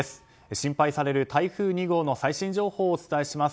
心配される台風２号の最新情報をお伝えします。